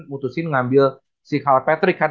mutusin ngambil si carl patrick kan